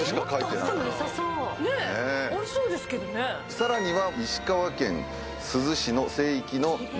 さらには。